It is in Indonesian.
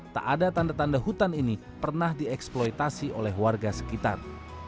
tak ada tanda tanda hutan ini pernah dieksploitasi oleh warga sekitar